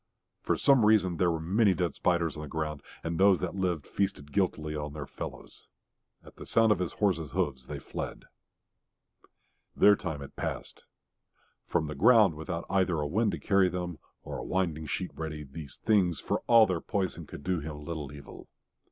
For some reason there were many dead spiders on the ground, and those that lived feasted guiltily on their fellows. At the sound of his horse's hoofs they fled. Their time had passed. From the ground without either a wind to carry them or a winding sheet ready, these things, for all their poison, could do him little evil.